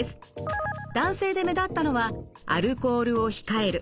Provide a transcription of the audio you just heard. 男性で目立ったのはアルコールを控える。